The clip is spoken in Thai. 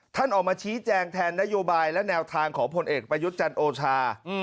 ออกมาชี้แจงแทนนโยบายและแนวทางของผลเอกประยุทธ์จันทร์โอชา